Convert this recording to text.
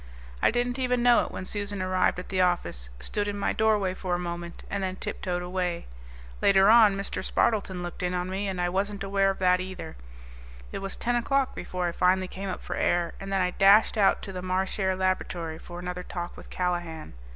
I didn't even know it when Susan arrived at the office, stood in my doorway for a moment, and then tip toed away. Later on Mr. Spardleton looked in on me, and I wasn't aware of that, either. It was ten o'clock before I finally came up for air, and then I dashed out to the Marchare Laboratory for another talk with Callahan.